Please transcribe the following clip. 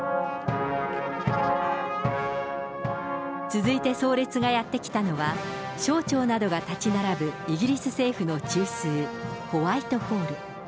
続いて葬列がやって来たのは、省庁などが建ち並ぶイギリス政府の中枢、ホワイトホール。